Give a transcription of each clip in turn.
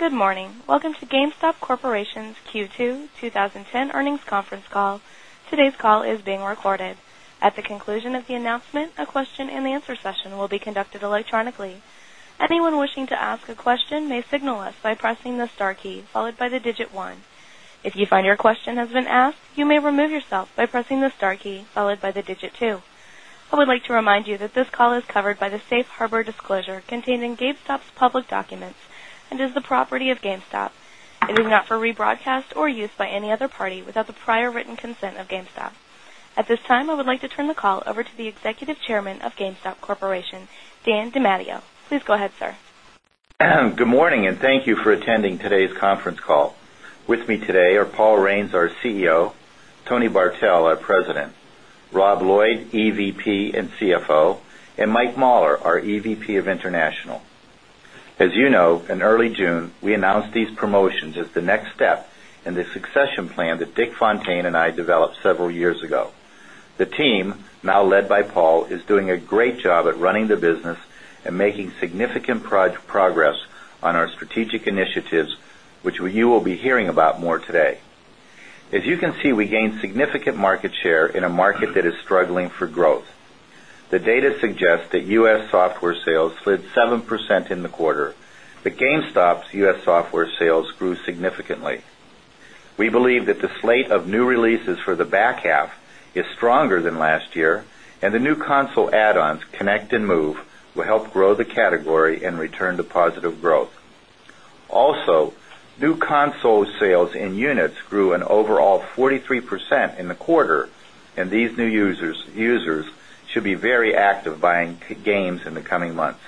Good morning. Welcome to GameStop Corporation's Q2 20 10 Earnings Conference Call. Today's call is being recorded. At the conclusion of the announcement, a question and answer session will be conducted electronically. I would like to remind you that this call is covered by the Safe Harbor disclosure contained in GameStop's public documents and is the property of GameStop. It is not for rebroadcast or use by any other party without the prior written consent of GameStop. At this time, I would like to turn the call over to the Executive Chairman of GameStop Corporation, Dan DiMatteo. Please go ahead, sir. Good morning, and thank you for attending today's conference call. With me today are Paul Raines, our CEO Tony Bartel, our President Rob Lloyd, EVP and CFO and Mike Mahler, our EVP of International. As you know, in early June, we announced these promotions as the next step in the succession plan that Dick Fontaine and I developed several years ago. The team, now led by Paul, is doing a great job at running the business and making significant progress on our strategic initiatives, which you will be hearing about more today. As you can see, we gained significant market share in a market that is struggling for growth. The data suggests that U. S. Software sales slid 7% in the quarter, but GameStop's U. S. Software sales grew significantly. We believe that the slate of new releases for the back half is stronger than last year and the new console add ons Connect and Move will help grow the category and return to positive growth. Also, new console sales in units grew an overall 43% in the quarter and these new users should be very active buying games in the coming months.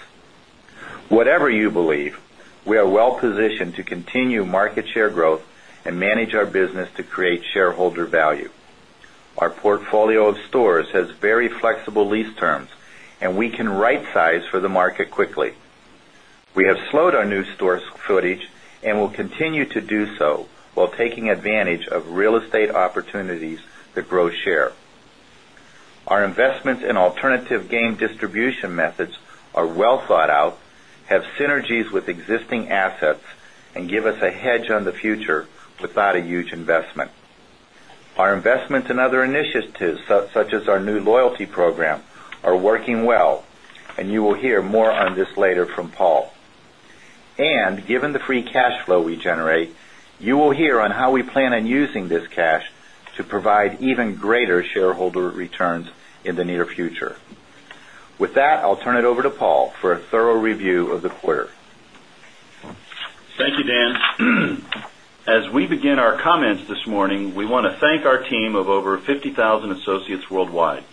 Whatever you believe, we are well positioned to continue market share growth and manage our business to create shareholder value. Our portfolio of stores has very flexible lease terms and we can right size for the market quickly. We have slowed our new store footage and will continue to do so while taking advantage of real estate opportunities that grow share. Our investments in alternative game distribution methods are well thought out, have synergies with existing assets and give us a hedge on the future without a huge investment. Our investments in other initiatives such as our new loyalty program are working well and you will hear more on this later from Paul. And given the free cash flow we generate, you will hear on how we plan on using this cash to provide even greater shareholder returns in the near future. With that, I'll turn it over to Paul for a thorough review of the quarter. Thank you, Dan. As we begin our comments this morning, we want to thank our team of over 50,000 associates worldwide.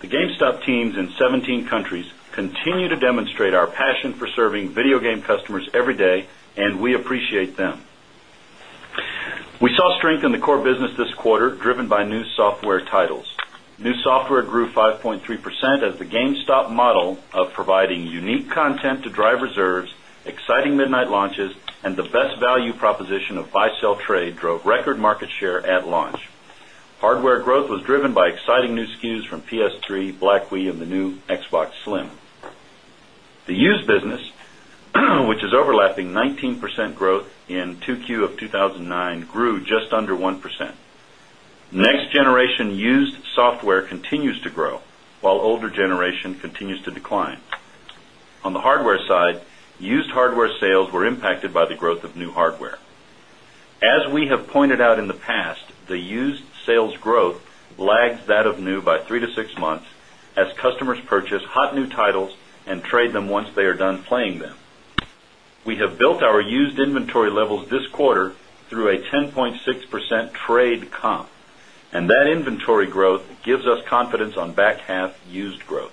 The GameStop teams in 17 countries continue to demonstrate our passion for serving video game customers every day and we appreciate them. We saw strength in the core business this quarter, driven by new software titles. New software grew 5.3% as the GameStop model of providing unique content to drive reserves, exciting midnight launches and the best value proposition of buyselltrade drove record market share at launch. Hardware growth was driven by exciting new SKUs from PS3, Black Wii and the new Xbox Slim. The used business, which is overlapping 19% growth in 2Q of 2009 grew just under 1%. Next generation used software continues to grow, while older generation continues to decline. On the hardware side, used hardware sales were impacted by the growth of new hardware. As we have pointed out in the past, the used sales growth lags that of new by 3 to 6 months as customers purchase hot new titles and trade them once they are done playing them. We have built our used inventory levels this quarter through a 10.6% trade comp and that inventory growth gives us confidence on back half used growth.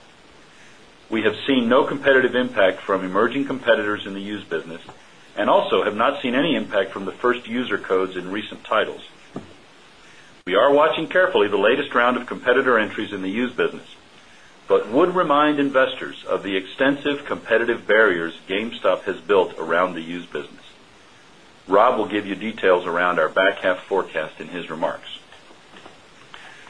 We have seen no competitive impact from emerging competitors in the used business and also have not seen any impact from the 1st user codes in recent titles. We are watching carefully the latest round of competitor entries in the used business, but would remind investors of the extensive competitive barriers GameStop has built around the used business. Rob will give you details around our back half forecast in his remarks.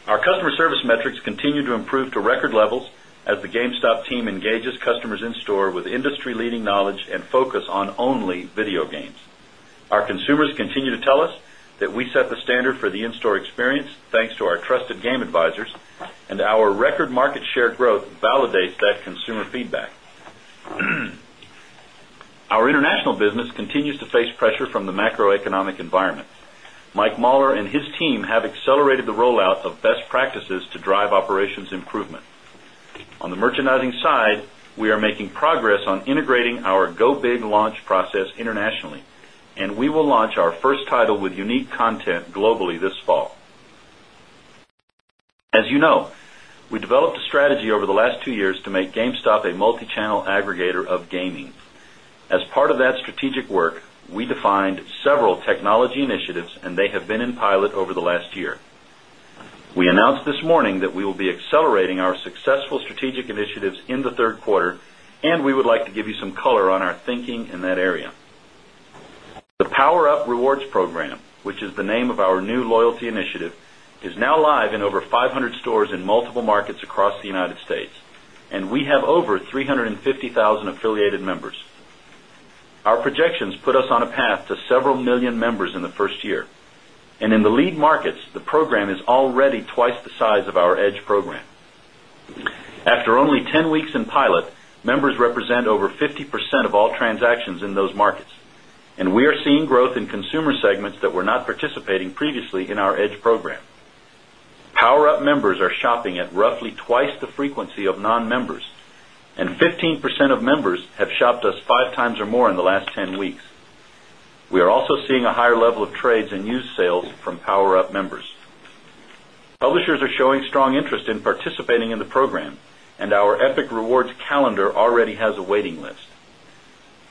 Our customer service metrics continue to improve to record levels as the GameStop team engages customers in store with industry leading knowledge and focus on only video games. Our consumers continue to tell us that we set the standard for the in store experience, thanks to our trusted game advisors and our record market share growth validates that consumer feedback. Our international business continues to face pressure from the macroeconomic environment. Mike Mahler and his team accelerated the rollout of best practices to drive operations improvement. On the merchandising side, we are making progress on integrating our go big launch process internationally and we will launch our first title with unique content globally this fall. As you know, we developed a strategy over the last 2 years to make GameStop a multichannel aggregator of gaming. As part of that strategic work, we defined several technology initiatives and they have been in pilot over the last year. We announced this morning that we will be accelerating our successful strategic initiatives in the Q3 and we would like to give you some color on our thinking in that area. The PowerUp Rewards program, which is the name of our new loyalty initiative is now live in over 500 stores in multiple markets across the United States and we have over 350,000 affiliated members. Our projections put us on a path to several 1000000 members in the 1st year. And in the lead markets, the program is already twice the size of our Edge program. After only 10 weeks in pilot, members represent over 50% of all transactions in those markets. And we are seeing growth in consumer segments that were not participating previously in our Edge program. PowerUp members are shopping at roughly twice the frequency of non members and 15% of members have shopped us 5 times or more in the last 10 weeks. We are also seeing a higher level of trades and used sales from PowerUp members. Publishers are showing strong interest in participating in the program and our Epic Rewards calendar already has a waiting list.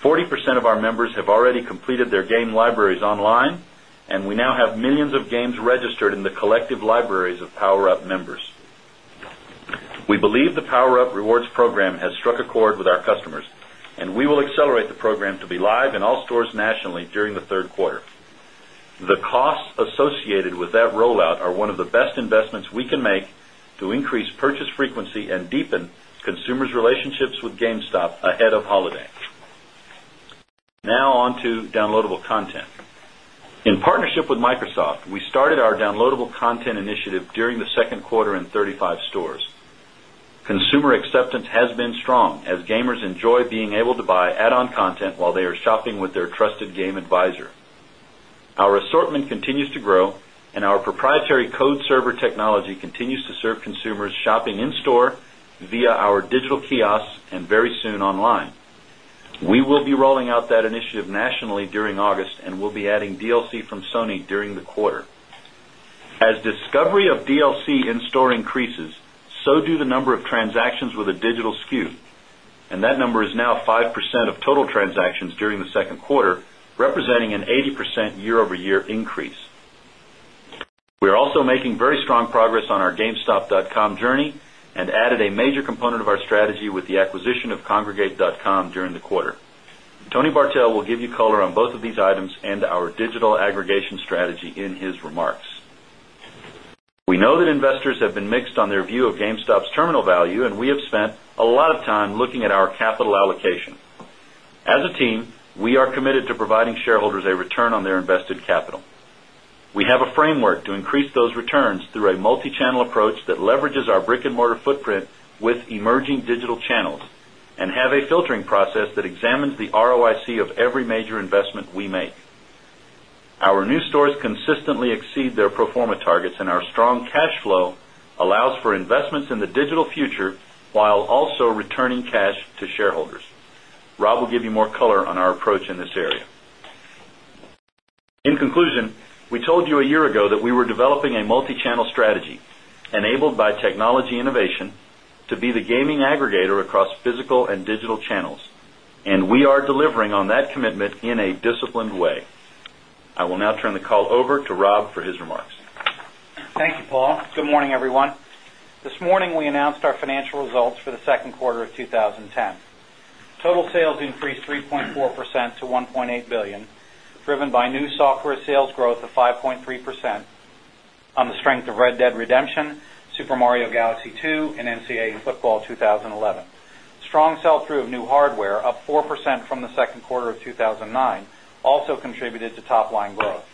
40% of our members have already completed their game libraries online and we now have millions of games registered in the collective libraries of PowerUp members. We believe the PowerUp Rewards program has struck a chord with our customers and we will accelerate the program to be live in all stores nationally during the Q3. The costs associated with that rollout are one of the best investments we can make to increase purchase frequency and deepen consumers' relationships with GameStop ahead of holiday. Now on to downloadable content. In partnership with Microsoft, we started our downloadable content initiative during the Q2 in 35 stores. Consumer acceptance has been strong as gamers enjoy being able to buy add on content while they are shopping with their trusted game advisor. Our assortment continues to grow and our proprietary code server technology continues to serve consumers shopping in store via our digital kiosks and very soon online. We will be rolling out that initiative nationally during August and we'll be adding DLC from Sony during the quarter. As discovery of DLC in store increases, so do the number of transactions with a digital SKU and that number is now 5% of total transactions during the Q2, representing an 80% year over year increase. We are also making very strong progress on our gamestop.com journey and added a major component of our strategy with the acquisition of congregate.com during the quarter. Tony Bartel will give you color on both of these items and our digital aggregation strategy in his remarks. We know that investors have been mixed on their view of GameStop's terminal value and we have spent a lot of time looking at our capital allocation. As a team, we are committed to providing shareholders a return on their invested capital. We have a framework to increase those returns through channel approach that leverages our brick and mortar footprint with emerging digital channels and have a filtering process that examines the ROIC of every major investment we make. Our new stores consistently exceed their pro form a targets and our strong cash flow allows for investments in the digital future while also returning cash to shareholders. Rob will give you more color on our approach in this area. In conclusion, we told you a year ago that we were developing a multi channel strategy enabled by technology innovation to be the gaming aggregator across physical and digital channels and we are delivering on that commitment in a disciplined way. I will now turn the call over to Rob for his remarks. Thank you, Paul. Good morning, everyone. This morning, we announced our financial results for the Q2 of 2010. Total sales increased 3.4 percent to 1,800,000,000 dollars driven by new software sales growth of 5.3 percent on the strength of Red Dead Redemption, Super Mario Galaxy 2 and NCAA Football 2011. Strong sell through of new hardware, up 4% from the Q2 of 2009 also contributed to top line growth.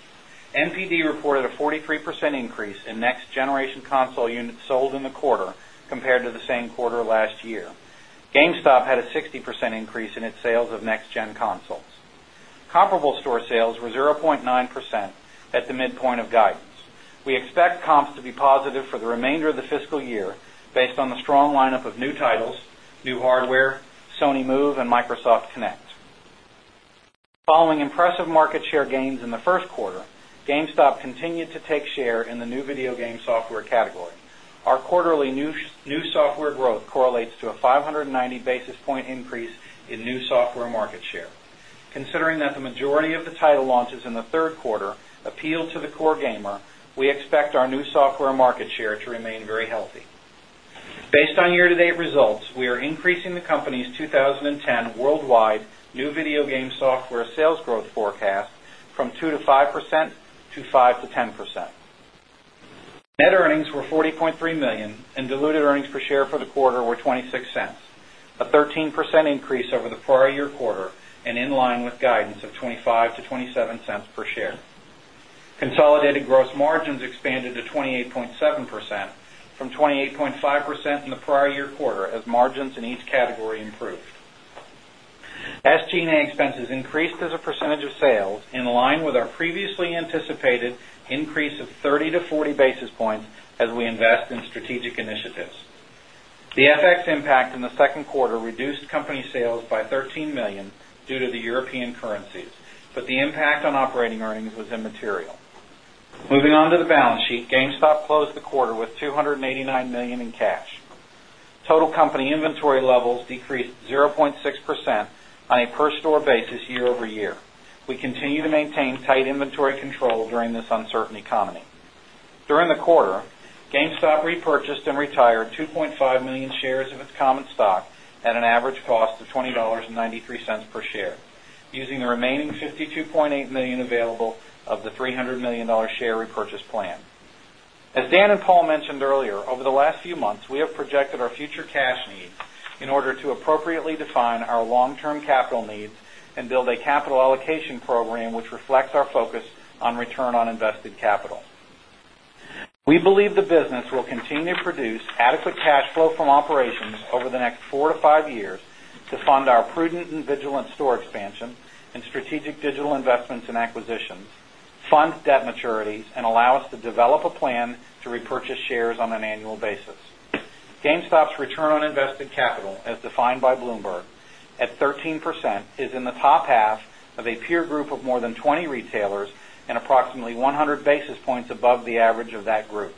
NPD reported a 43% increase in next generation console units sold in the quarter compared to the same quarter last year. GameStop had a 60% increase in its sales of next gen consoles. Comparable store sales were 0.9% at the midpoint of guidance. We expect comps to be positive for the remainder of the fiscal year based on the strong lineup of new titles, new hardware, Sony Move and Microsoft Connect. Following impressive market share gains in the Q1, GameStop continued to take share in the new video game software category. Our quarterly new software growth correlates to a 5.90 basis point increase in new software market share. Considering the majority of the title launches in the Q3 appeal to the core gamer, we expect our new software market share to remain very healthy. Based on year to date results, we are increasing the company's 20 10 worldwide new video game software sales growth forecast from 2% to 5% to 5% to 10%. Net earnings were $40,300,000 and diluted earnings per share for the quarter were $0.26 a 13% increase over the prior year quarter and in line with guidance of $0.25 to $0.27 per share. Consolidated gross margins expanded to 28.7 percent from 28.5% in the prior year quarter as margins in each category improved. SG and A expenses increased as a percentage of sales in line with our previously anticipated increase of 30 basis points to 40 basis points as we invest in strategic initiatives. The FX impact in the 2nd quarter reduced company sales by $13,000,000 due to the European currencies, but the impact on operating earnings was immaterial. Moving on to the balance sheet, GameStop closed the quarter with $289,000,000 in cash. Total company inventory levels decreased 0.6% on a per store basis year over year. We continue to maintain tight inventory control during this uncertain economy. During the quarter, GameStop repurchased and retired 2,500,000 shares of its common stock at an average cost of $20.93 per share using the remaining $52,800,000 available of the $300,000,000 share repurchase plan. As Dan and Paul mentioned earlier, over the last few months, we have projected our future cash needs in order to appropriately define our long term capital needs and build a capital allocation program, which reflects our focus on return on invested capital. We believe the business will continue to produce adequate cash flow from operations over the next 4 to 5 years to fund our prudent and vigilant store expansion and strategic digital investments and acquisitions, fund debt maturities and allow us to develop a plan to repurchase shares on an annual basis. GameStop's return on invested capital as defined by Bloomberg at 13% is in the top half of a peer group of more than 20 retailers in approximately 100 basis points above the average of that group.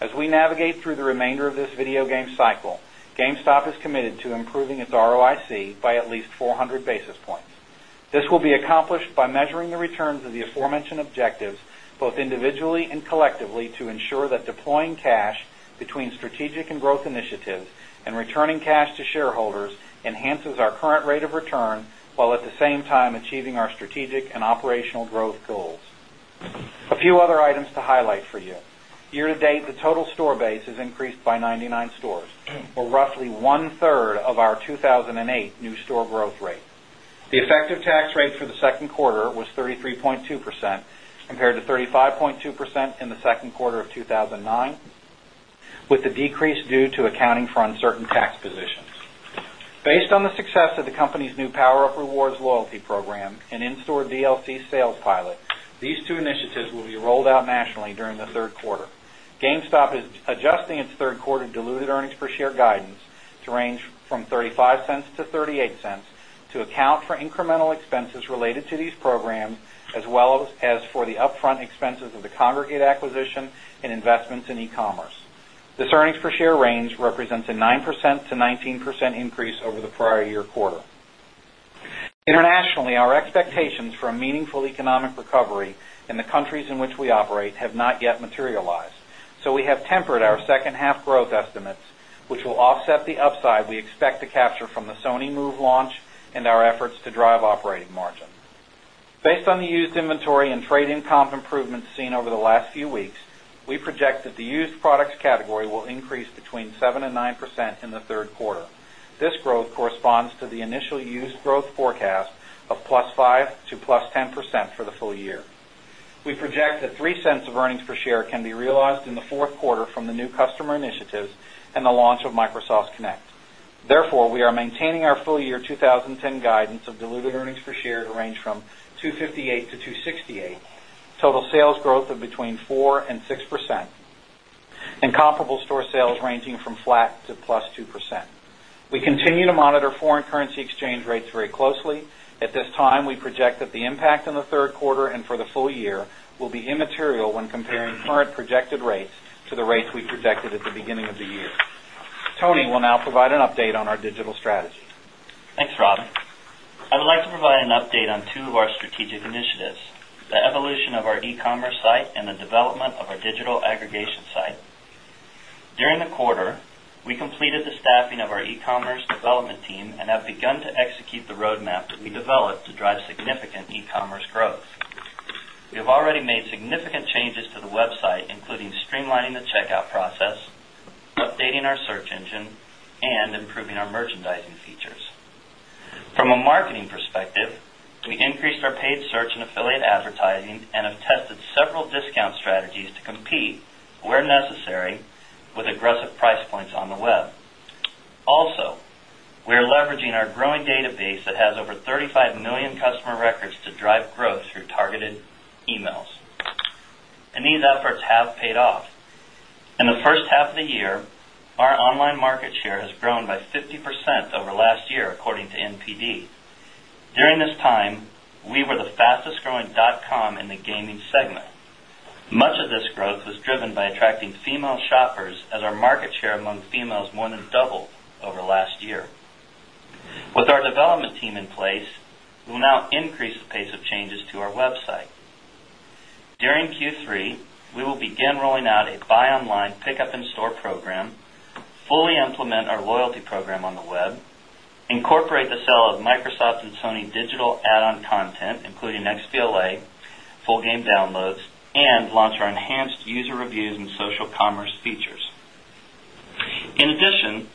As we navigate through the remainder of this video game cycle, GameStop is committed to improving its ROIC by at least 400 basis points. This will be accomplished by measuring the returns of the aforementioned objectives both individually and collectively to ensure that deploying cash between strategic and growth initiatives and returning cash to shareholders enhances our current rate of return, while at the same time achieving our strategic and operational growth goals. A few other items to highlight for you. Year to date, the total store base has increased by 99 stores or roughly 1 third of our 2,008 new store growth rate. The effective tax rate for the Q2 was 33.2% compared to 35.2% in the Q2 of 2,009, with the decrease due to accounting for uncertain tax positions. Based on the success of the company's new PowerUp Rewards loyalty program and in store DLC sales pilot, these two initiatives will be rolled out nationally during the Q3. GameStop is adjusting its Q3 diluted earnings per share guidance to range from $0.35 to $0.38 to account for incremental expenses related to these programs as well as for the upfront expenses of the Congregate acquisition and investments in e commerce. This earnings per share range represents a 9% to 19% increase over the prior year quarter. Internationally, our expectations for a meaningful economic recovery in the countries in which we operate have not yet materialized. So we have tempered our second half growth estimates, which will offset the upside we expect to capture from the Sony Move launch and our efforts to drive operating margin. Based on the used inventory and trade in comp improvements seen over the last few weeks, we project that the used products category will increase between 7% and 9% in the 3rd quarter. This growth corresponds to the initial used growth forecast of +5 percent to+10 percent for the full year. We project that $0.03 of earnings per share can be realized in the Q4 from the new customer initiatives and the launch of Microsoft Connect. Therefore, we are maintaining our full year 2010 guidance of diluted earnings per share range from $2.58 to $2.68 total sales growth of between 4% 6% and comparable store sales ranging from flat to plus 2%. We continue to monitor foreign currency exchange rates very closely. At this time, we project that the impact in the Q3 and for the full year will be immaterial when comparing current projected rates to the rates we projected at the beginning of the year. Tony will now provide an update on our digital strategy. Thanks, Robin. I would like to provide an update on 2 of our strategic initiatives, the evolution of our e commerce site and the development of our digital aggregation site. During the quarter, we completed the staffing of our e commerce development team and have begun to execute the roadmap that we developed to drive significant e commerce growth. We have already made significant changes to the website, including streamlining the checkout process, updating our search engine and improving our merchandising features. From a marketing perspective, we increased our paid search and affiliate advertising and have tested several discount strategies to compete where necessary with aggressive price points on the web. Also, we are leveraging our growing database that has over 35,000,000 customer records to drive growth through targeted emails. And these efforts have paid off. In the first half of the year, our online market share has grown by 50% over last year according to NPD. During this time, we were the fastest growing dotcom in the gaming segment. Much of this growth was driven by attracting female shoppers as our market share among females more than doubled over last year. With our development team in place, we will now increase the pace of changes to our website. During Q3, we will begin rolling out a buy online, pick up in store program, fully implement our loyalty program on the web, incorporate the sale of Microsoft and Sony digital add on content, including XBLA, full game downloads and launch our enhanced user reviews social commerce features. In addition,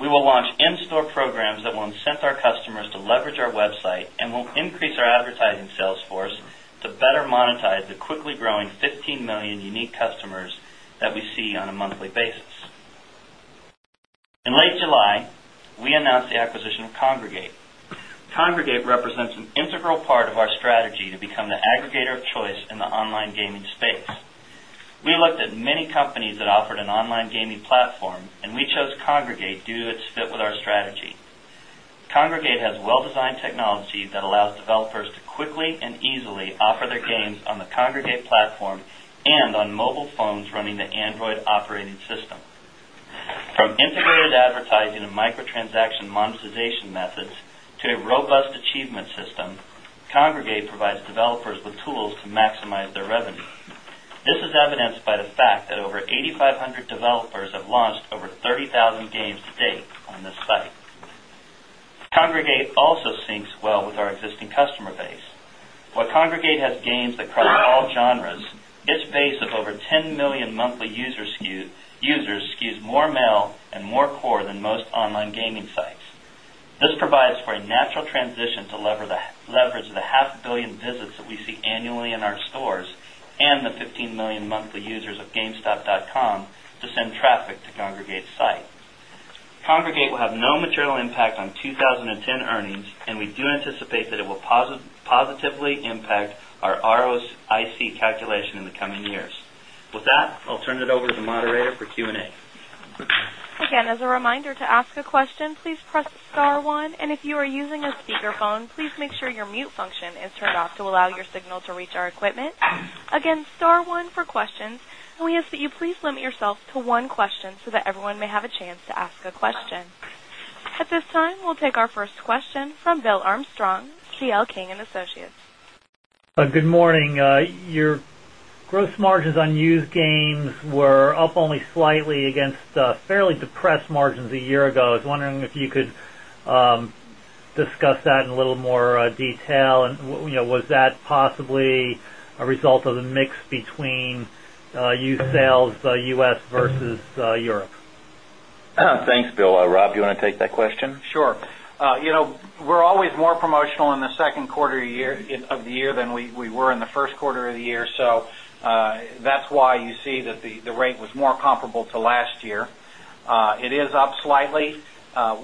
we will launch in store programs that will incent our customers to leverage our website and will increase our advertising sales force to better monetize the quickly growing 15,000,000 unique customers that we see on a monthly basis. In late July, we announced the acquisition of Kongregate. Kongregate represents an integral part of our strategy to become the aggregator of choice in the online gaming space. We looked at many companies that offered an online gaming platform and we chose Congregate due to its fit with our strategy. Kongregate has well designed technology that allows developers to quickly and easily offer their games on the Kongregate platform and on mobile phones running the Android operating system. From integrated advertising and micro transaction monetization methods to a robust achievement system, Kongregate provides developers with tools to maximize their revenue. This is evidenced by the fact that over 8,005 100 developers have launched over 30,000 games to date on this site. Kongregate also syncs well with our existing customer base. While Kongregate has games across all genres, its base of over 10,000,000 monthly users skews more male and more core than most online gaming sites. This provides for a natural transition to leverage the 500,000,000 visits that we see annually in our stores and the 15,000,000 monthly users of gamestop.com to send traffic to Kongregate site. Kongregate will have no material impact on 20.10 earnings and we do anticipate that it will positively impact our ROIC calculation in the coming years. With that, I'll turn it over to the moderator for Q and A. At this time, we'll take our first question from Bill Armstrong, CL King and Associates. Good morning. Your gross margins on used games were up only slightly against fairly depressed margins a year ago. I was wondering if you could discuss that in a little more detail. And was that possibly a result of the mix between used sales U. S. Versus Europe? Thanks, Bill. Rob, do you want to take that question? Sure. We're always more promotional in the Q2 of the year than we were in the Q1 of the year. So, that's why you that the rate was more comparable to last year. It is up slightly.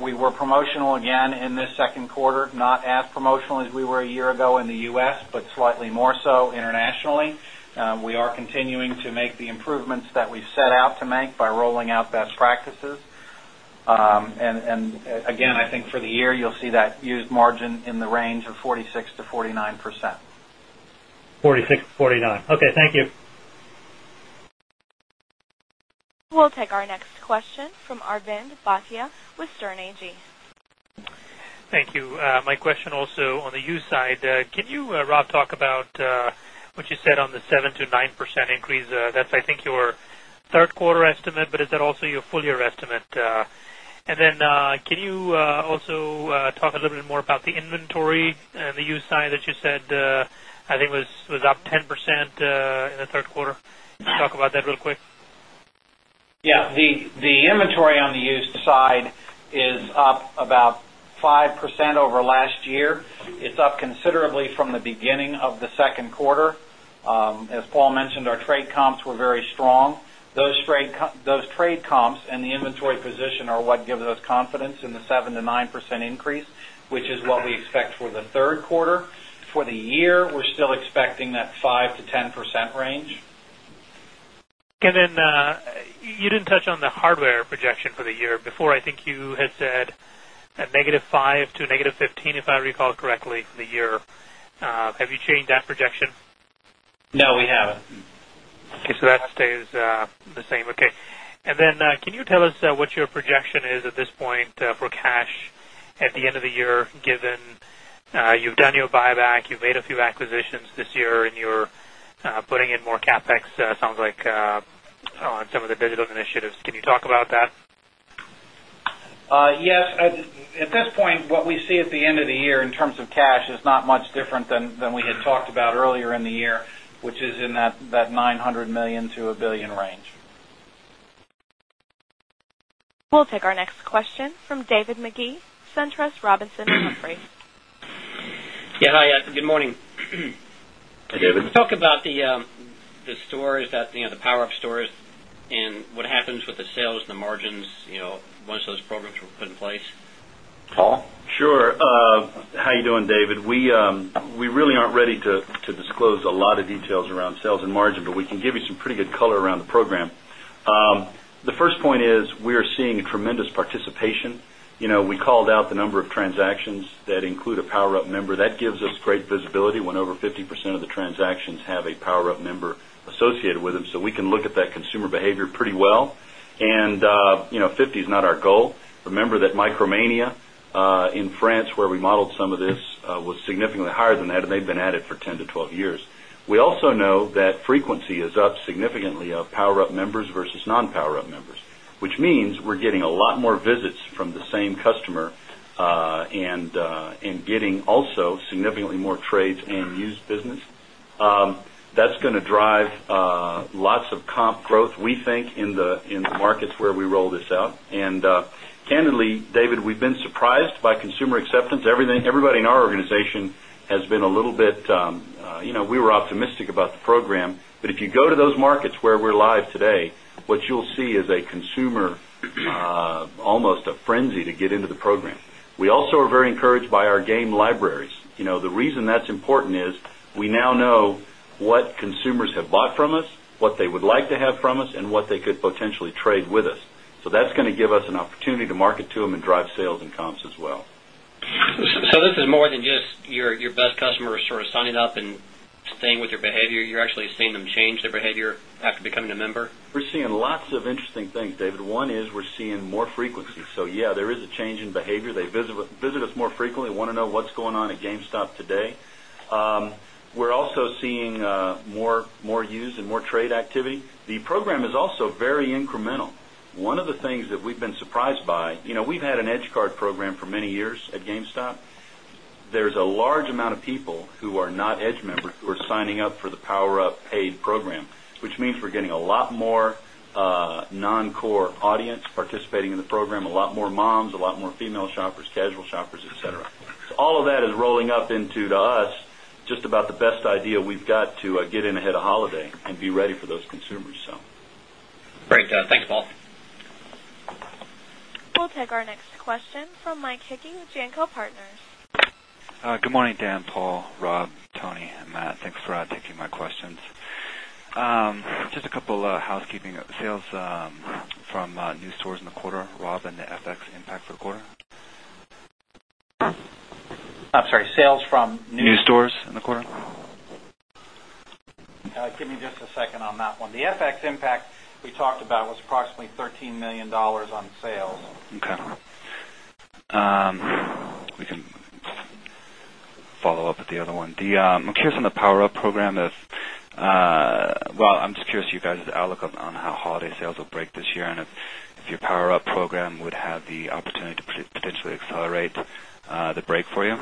We were promotional again in the second quarter, not as promotional as we were a year ago in the U. S, but slightly more so internationally. We are continuing to make the improvements that we set out to make by rolling out best practices. And again, I think for the year, you'll see that used margin in the range of 46% to 49%. 46% to 49%. Okay, thank you. We'll take our next question from Arvind Bhatia with Stern AG. Thank you. My question also on the used side. Can you Rob talk about what you said on the 7% to 9% increase? That's I think your Q3 estimate, but is that also your full year estimate? And then can you also talk a little bit more about the inventory the used side that you said, I think was up 10% in the Q3? Can you talk about that real quick? Yes. The inventory on the used side is up about 5% over last year. It's up considerably from the beginning of the Q2. As Paul mentioned, our trade comps were very strong. Those trade comps and the inventory position are what gives us confidence in the 7% to 9% increase, which is what we expect for the Q3. For the year, we're still expecting that 5% to 10% range. And then you didn't touch on the hardware projection for the year. Before, I think you had said a negative 5% to negative 15%, if I recall correctly, for the year. Have you changed that projection? No, we haven't. Okay. So that stays the same. Okay. And then can you tell us what your projection is at this point for cash at the end of the year given you've done your buyback, you've made a few acquisitions this year and you're putting in more CapEx sounds like on some of the digital initiatives. Can you talk about that? Yes. At this point, what we see at the end of the year in terms of cash is not much different than we had talked about earlier in the year, which is in that $900,000,000 to $1,000,000,000 range. We'll take our next question from David Magee, SunTrust Robinson Humphrey. Yes. Hi. Good morning. Hi, David. Talk about the stores that the PowerUp stores and what happens with the sales and the margins once those programs were put in place? Paul? Sure. How are you doing, David? We really aren't ready to disclose a lot of details around sales and margin, but we can give you some pretty good color around the program. The first point is we are seeing tremendous participation. We called out the number of transactions that include a PowerUp member that gives us great visibility when over 50% of the transactions have a PowerUp member associated with them. So we can look at that consumer behavior pretty well and 50 is not our goal. Remember that Micromania in France where we modeled some of this was significantly higher than that and they've been added for 10 to 12 years. We also know that frequency is up significantly of PowerUp members versus non PowerUp members, which means we're getting a lot more visits from the same customer and getting also significantly more trades and used business. That's going to drive lots of comp growth, we think, in the markets where we roll this out. And candidly, David, we've been surprised by consumer acceptance. Everybody in our organization has been a little bit we were optimistic about the program. If you go to those markets where we're live today, what you'll see is a consumer, almost a frenzy to get into the program. We also are very encouraged by our game libraries. The reason that's important is we now know what consumers have bought from us, what they would like to have from us and what they could potentially trade with us. So that's going to give us an opportunity to market to them and drive sales and comps as well. So this is more than just your best customer sort of signing up and staying with your behavior, you're actually seeing them change their behavior after becoming a member? We're seeing lots of interesting things, David. One is we're seeing more frequency. So yes, there is a change in behavior. They visit us more frequently, want to know what's going on at GameStop today. We're also seeing more use and more trade activity. The program is also very incremental. One of the things that we've been surprised by, we've had an Edge Card program for many years at GameStop. There's a large amount of people who are not Edge members who are signing up for the PowerUp paid program, which means we're getting a lot more non core audience participating in the program, a lot more moms, a lot more female shoppers, casual shoppers, etcetera. All of that is rolling up into to us just about the best idea we've got to get in ahead of holiday and be ready for those consumers. Great. Thanks, Paul. We'll take our next question from Mike Hickey with Janco Partners. Good morning, Dan, Paul, Rob, Tony and Matt. Thanks for taking my questions. Just a couple of housekeeping sales from new stores in the quarter, Rob, and the FX impact for the quarter? I'm sorry, sales from new stores in the quarter? Give me just a second on that one. The FX impact we talked about was approximately $13,000,000 on sales. Okay. We can follow-up with the other one. I'm curious on the PowerUp program. Well, I'm just curious to you guys' outlook on how holiday sales will break this year and if your PowerUp program would have the opportunity to potentially accelerate the break for you?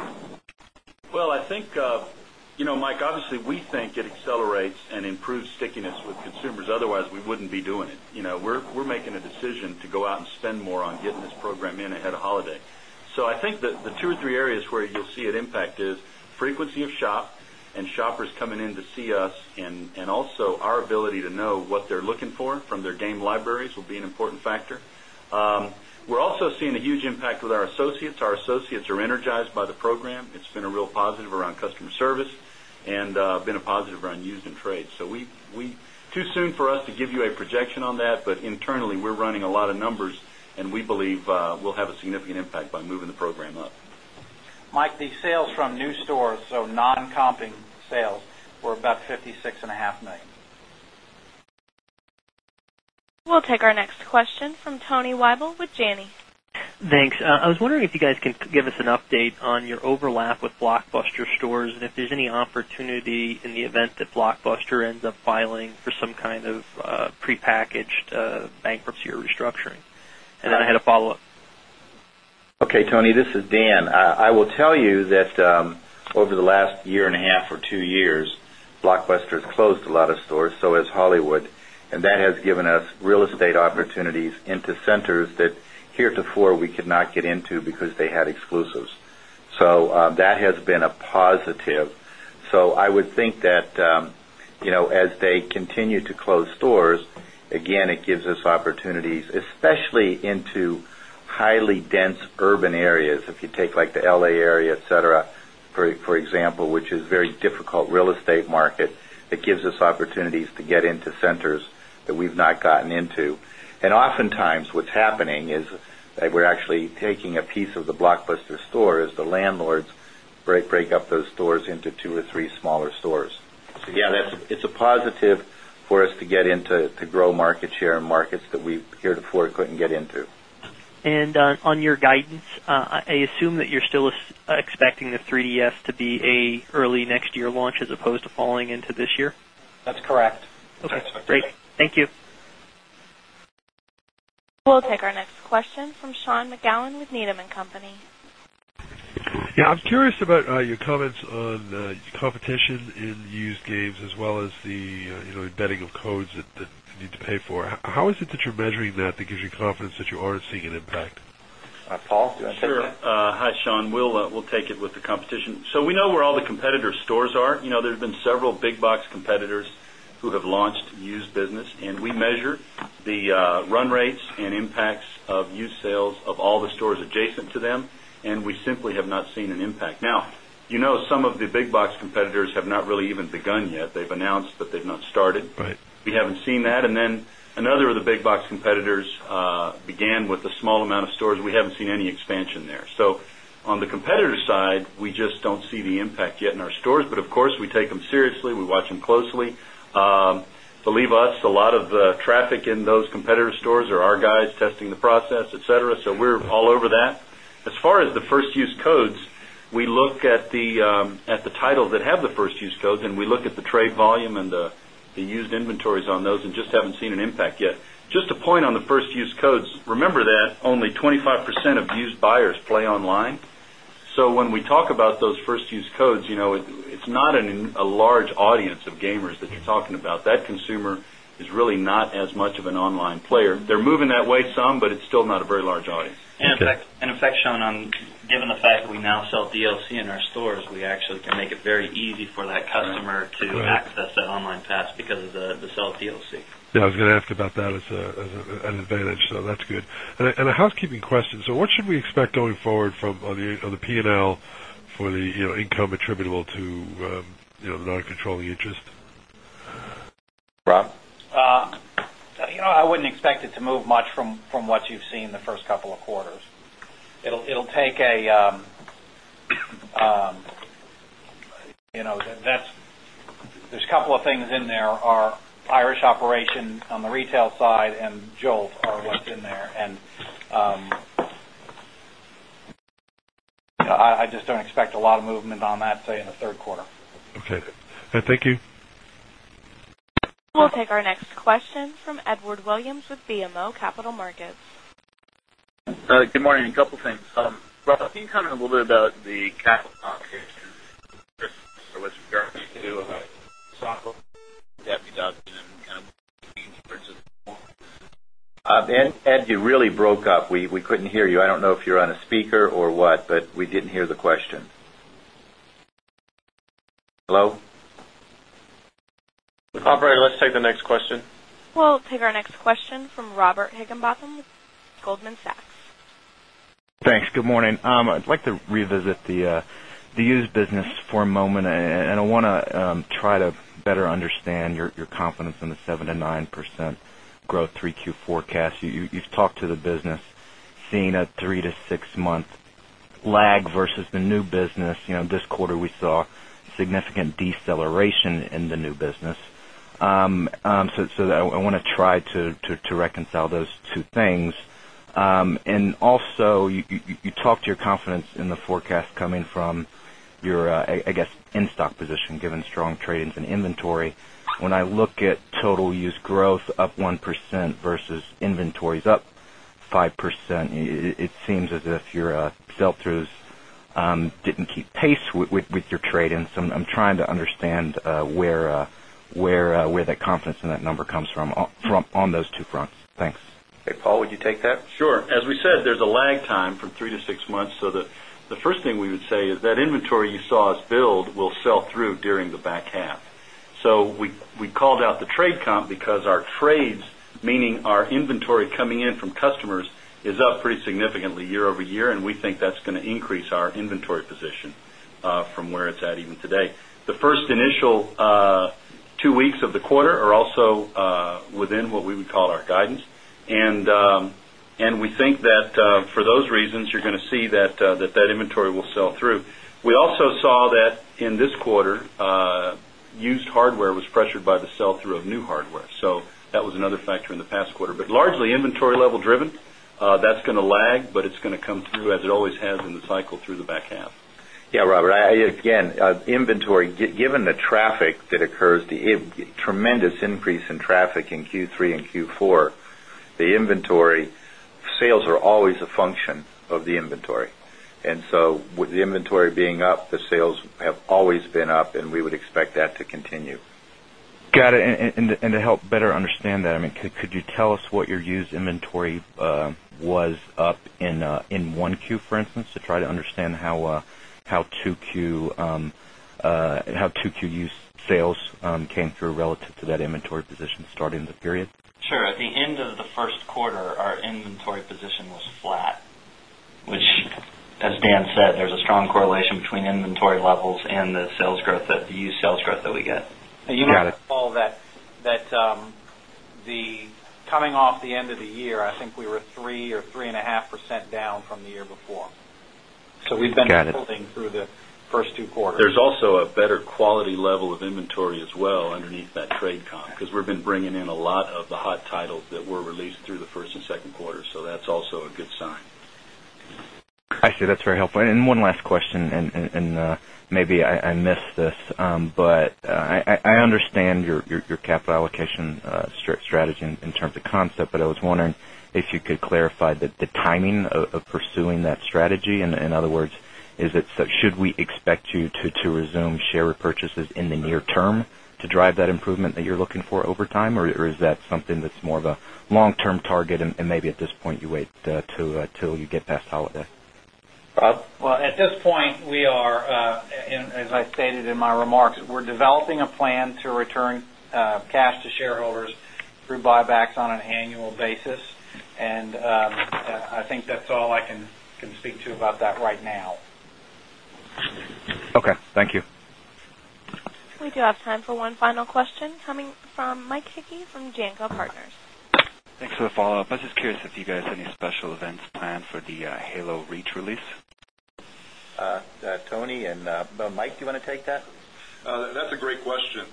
Well, I think, Mike, obviously, we think it accelerates and improves stickiness with consumers, otherwise we wouldn't be doing it. We're making a decision to go out and spend more on getting this program in ahead of holiday. So I think that the 2 or 3 areas where you'll see it impact is frequency of shop and shoppers coming in to see us and also our ability to know what they're looking for from their game libraries will be an important factor. We're also seeing a huge impact with our associates. Our associates are energized by the program. It's been a real positive around customer service and been a positive around used and trade. So we too soon for us to give you a projection on that, but internally we're running a lot of numbers and we believe we'll have a significant impact by moving the program up. Mike, the sales from new stores, so non comping sales were about $56,500,000 We'll take our next question from Tony Weibel with Janney. Thanks. I was wondering if you guys can give us an update on your overlap with Blockbuster stores and if there's any opportunity in the event that Blockbuster ends up filing for some kind of prepackaged bankruptcy or restructuring? And then I had a follow-up. Okay, Tony. This is Dan. I will tell you that over the last year and a half or two years, Blockbuster has closed a lot of stores, so has Hollywood. And that has given us real estate opportunities into centers that heretofore we could not get into because they had exclusives. So that has been a positive. So I would think that as they continue to close stores, again, it gives us opportunities, especially into highly dense urban areas. If you take like the LA area, etcetera, for example, which is very difficult real estate market, it gives us opportunities to get into centers that we've not break up those stores into 2 or 3 smaller stores. Yes, that's break up those stores into 2 or 3 smaller stores. So yes, it's a positive for us to get into to grow market share in markets that we heretofore couldn't get into. And on your guidance, I assume that you're still expecting the 3DS to be a early next year launch as opposed to falling into this year? That's correct. Okay, great. Thank you. We'll take our next question from Sean McGowan with Needham and Company. Yes. I'm curious about your comments on competition in used games as well as the embedding of codes that need to pay for. How is it that you're measuring that that gives you confidence that you aren't seeing an impact? Paul, do you want to take that? Sure. Hi, Sean. We'll take it with the competition. So we know where all the competitor stores are. There's been several big box competitors who have launched used business and we measure the run rates and impacts of used sales of all the stores adjacent to them and we simply have not seen an impact. Now, some of the big box competitors have not really even begun yet. They've announced that they've not started. We haven't seen that. And then another of the big box competitors began with a small amount of stores. We haven't seen any expansion there. So on the competitor side, we just don't see the impact yet in our stores, but of course, we take them seriously. We watch them closely. Believe us, a lot of the traffic in those competitor stores are our guys testing the process, etcetera. So we're all over that. As far as the first use codes, we look at the titles that have the first use codes and we look at the trade volume and the used inventories on those and just haven't seen an impact yet. Just a point on the first use codes, remember that only 25% of used buyers play online. So when we talk about those first use codes, it's not a large audience of gamers that you're talking about. That consumer is really not as much of an online player. They're moving that way some, but it's still not a very large audience. And effect, Sean, given the fact that we now sell DLC in our stores, we actually can make it very easy for that customer to access online pass because of the sale of DLC. Yes, I was going to ask about that as an advantage. So that's good. And a housekeeping question. So what should we expect going forward from the P and L for the income attributable to non controlling interest? Rob, I wouldn't expect it to move much from what you've seen in the 1st couple of quarters. It will take a that's there's a couple of things in there, our Irish operation on the retail side and Jolt are what's in there. And I just don't expect a lot of movement on that say in the Q3. Okay. Thank you. We'll take our next question from Edward Williams with BMO Capital Markets. Good morning. A couple of things. Can you comment a little bit about the capital Ed, you really broke up. We couldn't hear you. I don't know if you're on a speaker or what, but we didn't hear the question. Hello? Operator, let's take the next question. We'll take our next question from Robert Higginbotham with Goldman Sachs. Thanks. Good morning. I'd like to revisit the used business for a moment and I want to try to better understand your confidence in the 7% to 9% growth 3Q forecast. You've talked to the business seeing a 3 to 6 month lag versus the new business. This quarter we saw significant deceleration in the new business. So I want to try to reconcile those two things. And also you talked to your confidence in the forecast coming from your, I guess, in stock position given strong trade ins and inventory. When I look at total use growth up 1% versus inventories up 5%. It seems as if your sell throughs didn't keep pace with your trade ins. So I'm trying to understand where that confidence in that number comes from on those two fronts? Thanks. Paul, would you take that? Sure. As we said, there's a lag time from 3 to 6 months. So the first thing we would say is that inventory you saw us build will sell through during the back half. So we called out the trade comp because our trades, meaning our inventory coming in from customers is up pretty significantly year over year and we think that's going to increase our inventory position from where it's at even today. The first initial 2 weeks of the quarter are also within what we would call our guidance and we think that for those reasons, you're going to see that that inventory will sell through. We also saw that in this quarter, used hardware was pressured by the sell through of new hardware. So that was another factor in the past quarter, but largely inventory level driven, that's going to lag, but it's going to come through as it always has in the cycle through the back half. Yes, Robert. Again, inventory given the traffic that occurs, the tremendous increase in traffic in Q3 and Q4, the inventory sales are always a function of the inventory. And so with the inventory being up, the sales have always been up and we would expect that to continue. Got it. And to help better understand that, I mean, could you tell us what your used inventory was up in 1Q for instance to try to understand how 2Q used sales came through relative to that inventory position starting the period? Sure. At the end of the Q1, our inventory position was flat, which as Dan said, there is a strong correlation between inventory levels and the sales growth that the used sales growth that we get. You mentioned Paul that the coming off the end of the year, I think we were 3% or 3.5% down from the year before. So we've been holding through the 1st 2 quarters. There's also a better quality level of inventory as well underneath that trade comp, because we've been bringing in a lot of the hot titles were released through the 1st and second quarter, so that's also a good sign. I see. That's very helpful. And one last question and maybe I missed this, but I understand your capital allocation strategy in terms of concept, but I was wondering if you could clarify the timing of pursuing that strategy. In other words, is it should we expect you to resume share repurchases in the near term to drive that improvement that you're looking for over time? Or is that something that's more of a long term target and maybe at this point you wait till you get past holiday? Well, at this point, we are as I stated in my remarks, we're developing a plan to return cash to shareholders through buybacks on an annual basis. And I think that's all I can speak to about that right now. Okay. Thank you. We do have time for one final question coming from Mike Hickey from JanCo Partners. Thanks for the follow-up. I was just curious if you guys have any special events planned for the Halo Reach release? Tony and Mike, do you want to take that? That's a great question.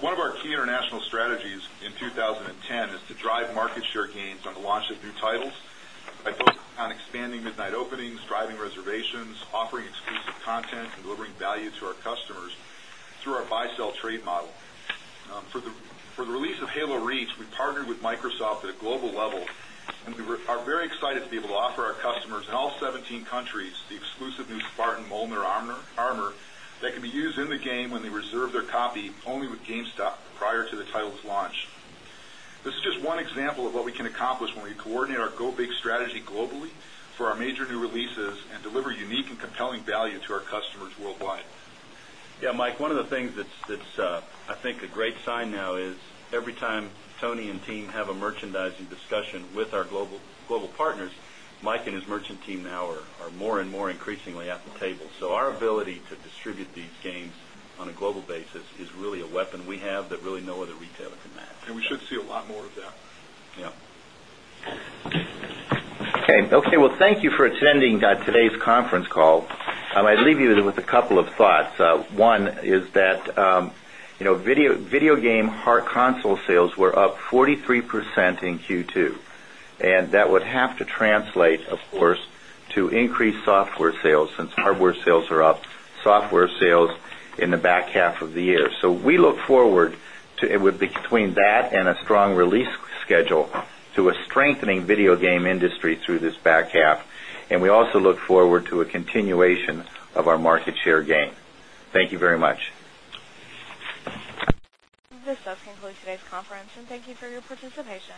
One of our key international strategies in 2010 is to drive market share gains on the launch of new titles by focusing on expanding midnight openings, driving reservations, offering exclusive content and delivering value to our customers through our buy sell trade model. For the release of Halo Reach, we partnered with Microsoft at a global level and we are very excited to be able to offer our customers in all 17 countries the exclusive new Spartan Molner Armor that can be used in the game when they reserve their copy only with GameStop prior to the title's launch. This is just one example of what we can accomplish when we coordinate our go big strategy globally for our major new releases and deliver unique and compelling value to our customers worldwide. Yes, Mike, one of the things that's I think a great sign now is every time Tony and team have a merchandising discussion with our global partners, Mike and his merchant team now are more and more increasingly at the table. So our ability to distribute these games on a global basis is really a weapon we have that really no other retailer can match. And we should see a lot more of that. Okay. Well, thank you for attending today's conference call. I'd leave you with a couple of thoughts. One is that video game hard console sales were up 43% in Q2 and that would have to translate, of course, to increased software sales since hardware sales are up, software sales in the back half of the year. So we look forward to it would be between that and a strong release schedule to a strengthening video game industry through this back half and we also look forward to a continuation of our market share gain. Thank you very much. This does conclude today's conference and thank you for your participation.